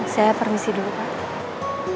saya permisi dulu pak